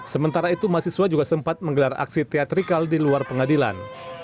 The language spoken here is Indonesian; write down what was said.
sementara itu mahasiswa juga sempat menggelar aksi teatrikal di luar pengadilan